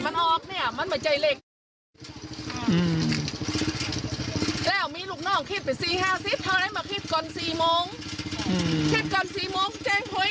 เงินมีในธนาคารเยอะแต่บอกว่าจ่าย